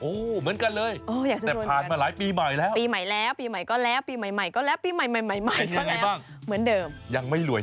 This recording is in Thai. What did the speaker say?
โอ้เหมือนกันเลย